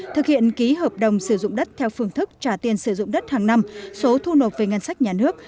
thực hiện ký hợp đồng sử dụng đất theo phương thức trả tiền sử dụng đất hàng năm số thu nộp về ngân sách nhà nước